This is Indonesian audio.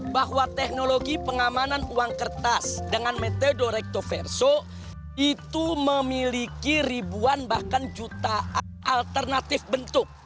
bahwa teknologi pengamanan uang kertas dengan metode rektoverso itu memiliki ribuan bahkan jutaan alternatif bentuk